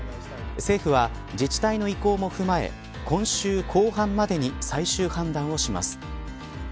政府は自治体の意向も踏まえ今週後半までに最終判断をします。